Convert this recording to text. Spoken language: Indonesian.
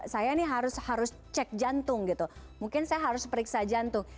saya ini harus cek jantung gitu mungkin saya harus periksa jantung